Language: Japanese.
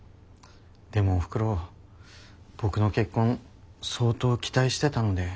でもおふくろ僕の結婚相当期待してたので。